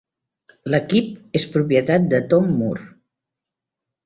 L'equip és propietat de Tom Moore.